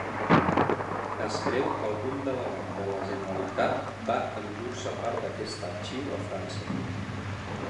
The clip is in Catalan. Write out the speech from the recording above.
Es creu que algun delegat de la Generalitat va endur-se part d'aquest arxiu a França.